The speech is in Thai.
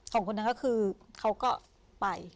คนนั้นก็คือเขาก็ไป